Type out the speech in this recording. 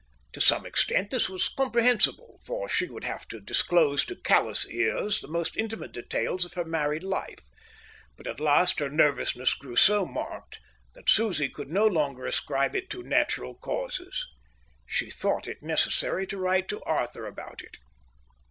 To some extent this was comprehensible, for she would have to disclose to callous ears the most intimate details of her married life; but at last her nervousness grew so marked that Susie could no longer ascribe it to natural causes. She thought it necessary to write to Arthur about it.